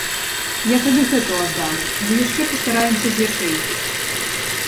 Я тады гэту аддам, ды яшчэ прыстараемся з ячэйкі.